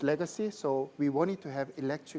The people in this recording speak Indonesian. legasi ini jadi kami ingin memiliki